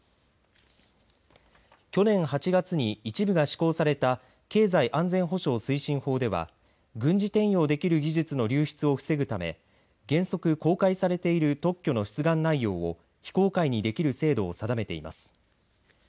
去年８月に一部が施行された経済安全保障推進法では軍事転用できる技術の流出を防ぐため原則公開されている特許の出願内容を非公開にできる制度を定めています。